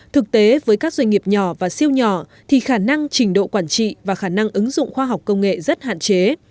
thực tế với các doanh nghiệp nhỏ và siêu nhỏ thì khả năng trình độ quản trị và khả năng ứng dụng khoa học công nghệ rất hạn chế